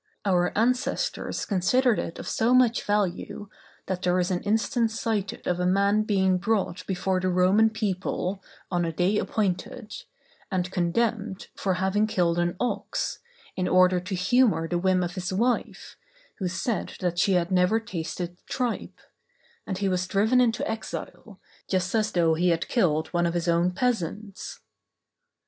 Our ancestors considered it of so much value, that there is an instance cited of a man being brought before the Roman people, on a day appointed, and condemned, for having killed an ox, in order to humor the whim of his wife, who said that she had never tasted tripe; and he was driven into exile, just as though he had killed one of his own peasants.